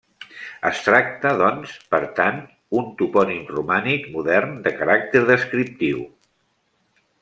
Es tracta, doncs, per tant, un topònim romànic modern de caràcter descriptiu.